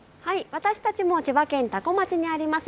私たちも千葉県多古町にあります